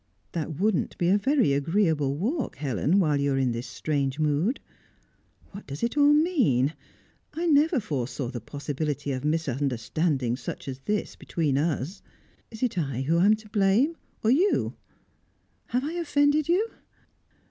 "That wouldn't be a very agreeable walk, Helen, whilst you are in this strange mood. What does it all mean? I never foresaw the possibility of misunderstandings such as this between us. Is it I who am to blame, or you? Have I offended you?"